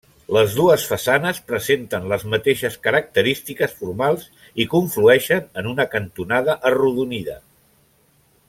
Les dues façanes presenten les mateixes característiques formals i conflueixen en una cantonada arrodonida.